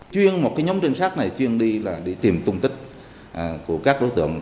chuyên một nhóm trinh sát này chuyên đi tìm tung tích của các đối tượng